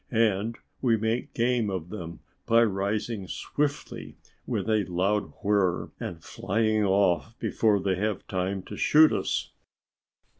And we make game of them by rising swiftly with a loud whir and flying off before they have time to shoot us."